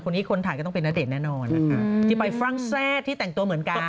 คนนี้คนถ่ายก็ต้องเป็นนาเดชน์แน่นอนที่ไปฟรั่งแซสที่แต่งตัวเหมือนกัน